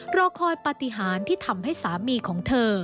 รอคอยปฏิหารที่ทำให้สามีของเธอ